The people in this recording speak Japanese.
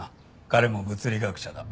彼も物理学者だ。